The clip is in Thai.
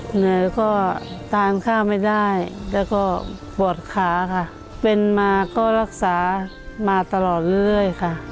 เหนื่อยก็ทานข้าวไม่ได้แล้วก็ปวดขาค่ะเป็นมาก็รักษามาตลอดเรื่อยค่ะ